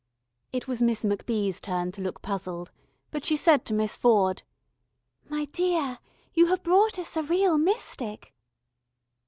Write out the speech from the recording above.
It was Miss MacBee's turn to look puzzled, but she said to Miss Ford: "My dear, you have brought us a real mystic."